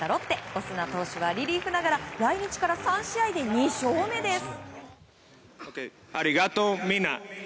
オスナ投手がリリーフながら来日から３試合で２勝目です。